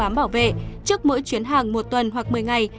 bán bảo vệ trước mỗi chuyến hàng một tuần hoặc một mươi ngày